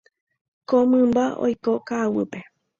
Ko mymba oiko ka'aguýpe.